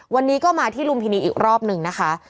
วันนี้ก็มาที่ลุมพินีอีกรอบหนึ่งนะคะ